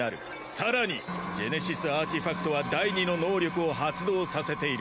更にジェネシスアーティファクトは第２の能力を発動させている。